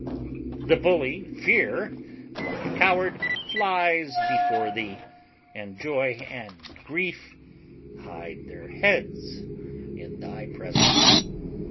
The bully Fear, like a coward, flies before thee, and Joy and Grief hide their heads in thy presence.